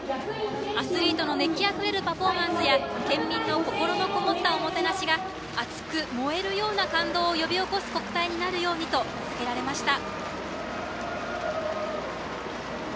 アスリートの熱気あふれるパフォーマンスや県民の心のこもったおもてなしが熱く燃えるような感動を呼び起こす国体になるようにと名付けられました。